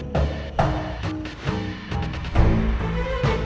saya akan cerita soal ini